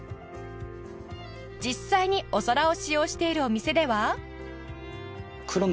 実際にお皿を使用しているお店では